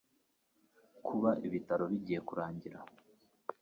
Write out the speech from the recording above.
Kubaka ibitaro bigiye kurangira.